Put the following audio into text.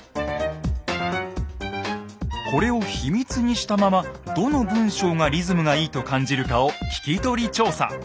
これを秘密にしたままどの文章がリズムがいいと感じるかを聞き取り調査。